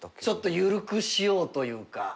ちょっと緩くしようというか。